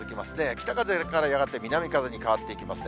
北風からやがて南風に変わっていきますね。